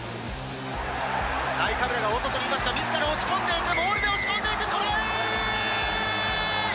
ナイカブラが大外にいますが、みずから押し込んでいく、モールで押し込んでいく、トライ！